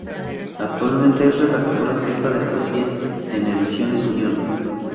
Actualmente es redactora jefa de poesía en Ediciones Unión.